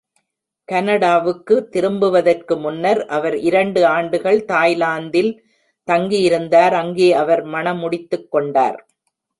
கனடாவுக்கு திரும்புவதற்கு முன்னர், அவர் இரண்டு ஆண்டுகள் தாய்லாந்தில் தங்கியிருந்தார், அங்கே அவர் மணமுடித்துக்கொண்டார்.